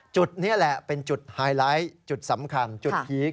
จุดนี้แหละเป็นจุดไฮไลท์จุดสำคัญจุดพีค